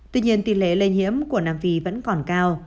tuy nhiên tỷ lệ lây nhiễm của nam phi vẫn còn cao